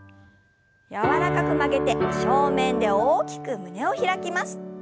柔らかく曲げて正面で大きく胸を開きます。